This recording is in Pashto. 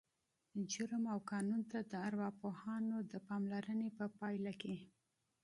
جرم او قانون ته د ارواپوهانو د پاملرنې په پایله کې